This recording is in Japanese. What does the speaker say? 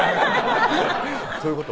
そういうこと？